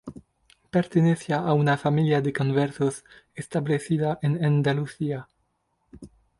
Pertenecía a una familia de conversos establecida en Andalucía.